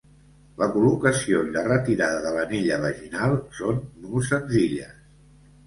La col·locació i la retirada de l'anella vaginal són molt senzilles.